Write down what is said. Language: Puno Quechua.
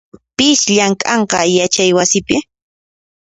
Pis llamk'anqa yachaywasipi?